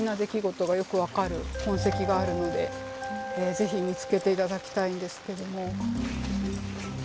是非見つけて頂きたいんですけども。